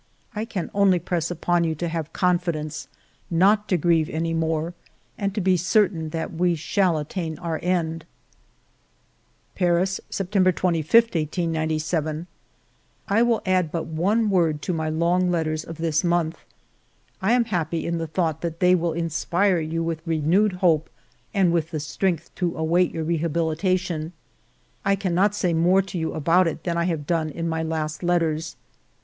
I can only press upon you to have confidence, not 26o FIVE YEARS OF MY LIFE to grieve any more, and to be very certain that we shall attain our end." ...Paris, September 25, 1897. " I will add but one word to my long letters of this month. ^" I am happy in the thought that they will inspire you with renewed hope and with the strength to await your rehabilitation. I cannot say more to you about it than I have done in my last letters.